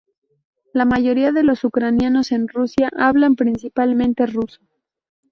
La mayoría de los ucranianos en Rusia hablan principalmente ruso.